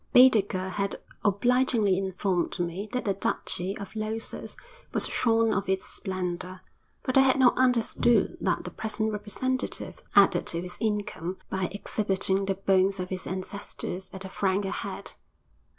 Baedeker had obligingly informed me that the Duchy of Losas was shorn of its splendour, but I had not understood that the present representative added to his income by exhibiting the bones of his ancestors at a franc a head....